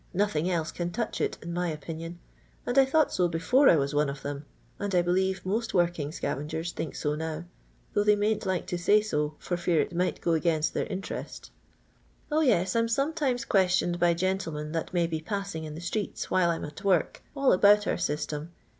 Nothing else can touch it, in my opinion, and I thought so before I was one of them, and I believe most working scavengers think so now, though they mayn't like to say so, for fear it might go again .thttir interest "Oh, yes, I'm flometimes questioned by gentlemen that may be passing in the streets while I 'm at work, all about our system.